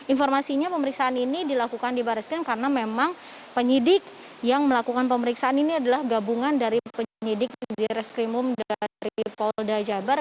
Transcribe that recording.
informasinya pemeriksaan ini dilakukan di baris krim karena memang penyidik yang melakukan pemeriksaan ini adalah gabungan dari penyidik di reskrimum dari polda jabar